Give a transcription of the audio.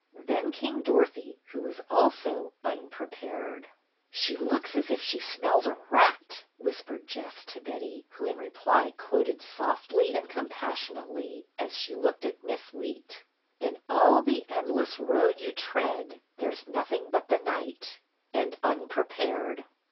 Then came Dorothy, who was also " Unprepared." BETTY BAIRD 1 8o " She looks as if she smells a rat," whis pered Jess to Betty, who in reply quoted softly and compassionately, as she looked at Miss Leet, "' In all the endless road you tread There 's nothing but the night, — and unprepared.